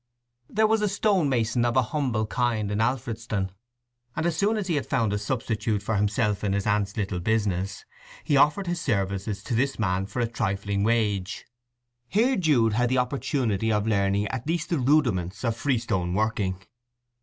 There was a stone mason of a humble kind in Alfredston, and as soon as he had found a substitute for himself in his aunt's little business, he offered his services to this man for a trifling wage. Here Jude had the opportunity of learning at least the rudiments of freestone working.